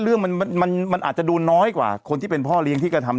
เรื่องมันมันอาจจะดูน้อยกว่าคนที่เป็นพ่อเลี้ยงที่กระทำ